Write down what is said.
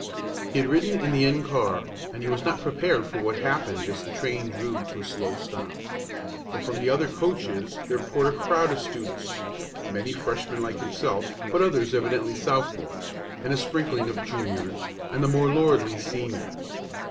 He had ridden in the end car, and he was not prepared for what happened as the train drew to a slow stop. For from the other coaches there poured a crowd of students many Freshmen like himself but others evidently Sophomores, and a sprinkling of Juniors and the more lordly Seniors.